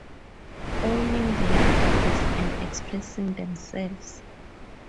Owning their bodies and expressing themselves.